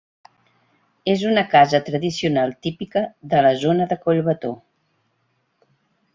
És una casa tradicional típica de la zona de Collbató.